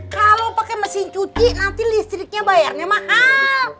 kalau pakai mesin cuti nanti listriknya bayarnya mahal